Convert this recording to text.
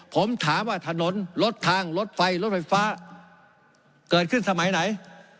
ผมถามว่าถนนรถทางรถไฟรถไฟฟ้าเกิดขึ้นสมัยไหน